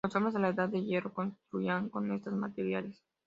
Los hombres de la Edad del Hierro, construían con estos materiales.